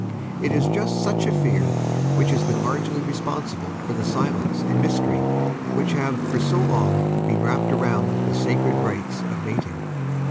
It is just such a fear which has been largely responsible for the silence and mystery which have for so long been wrapped round the s;icred rites of mating.